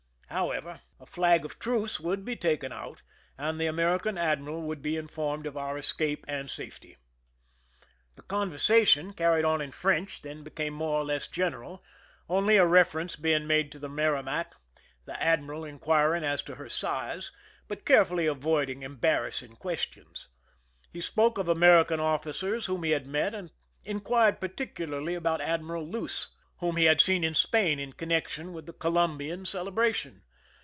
However, a flag of truce would be taken out, and the American admiral would be in formed of our escape and safety. The conversation, carried on in French, then became more or less general, only a reference being made to the Mer rimac^ the admiral inquiring as to her size, but carefully avoiding embarrassing questions. He spoke of American officers whom he had met, and inquired particularly about Admiral Luce, whom he had seen in Spain in connection with the Colum bian celebration.